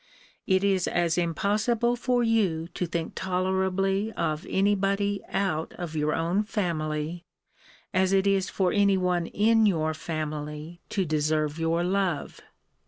It is as impossible for you to think tolerably of any body out of your own family, as it is for any one in your family to deserve your love!